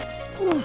saya akan menang